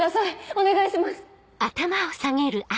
お願いします。